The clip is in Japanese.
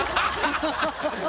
ハハハハ！